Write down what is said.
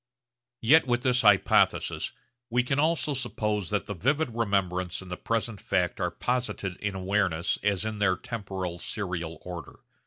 Yet with this hypothesis we can also suppose that the vivid remembrance and the present fact are posited in awareness as in their temporal serial order.